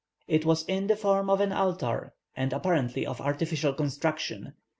It was in the form of an altar, and apparently of artificial construction.